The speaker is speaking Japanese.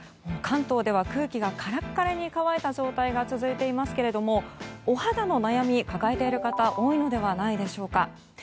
関東では空気がカラカラに乾いた状態が続いていますけどもお肌の悩み抱えている方多いのではないでしょうか。